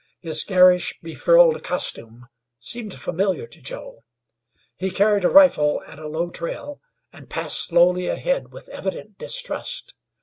His garish, befrilled costume seemed familiar to Joe. He carried a rifle at a low trail, and passed slowly ahead with evident distrust.